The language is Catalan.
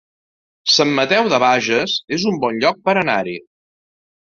Sant Mateu de Bages es un bon lloc per anar-hi